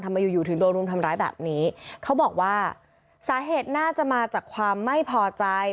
อยู่อยู่ถึงโดนรุมทำร้ายแบบนี้เขาบอกว่าสาเหตุน่าจะมาจากความไม่พอใจ